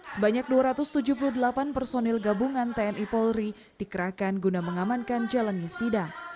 sebanyak dua ratus tujuh puluh delapan personil gabungan tni polri dikerahkan guna mengamankan jalannya sidang